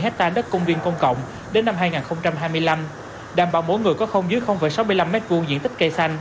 hecta công viên công cộng đến năm hai nghìn hai mươi năm đảm bảo mỗi người có không dưới sáu mươi năm m hai diện tích cây xanh